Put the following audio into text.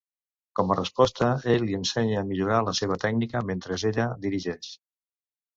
Com a resposta, ell li ensenya a millorar la seva tècnica mentre ella dirigeix.